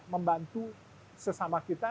membantu sesama kita